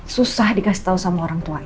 susah dikasih tau sama orangtuanya